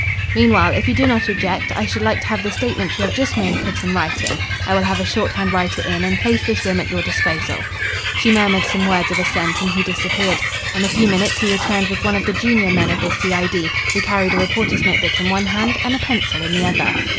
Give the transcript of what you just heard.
Meanwhile, if you do not object, I should like to have the statement you have just made put in writing. I will have a shorthand writer in and place this room at your disposal." She murmured some words of assent and he disappeared. In a few minutes he returned with one of the junior men of the C.I.D., who carried a reporter's notebook in one hand and a pencil in the other.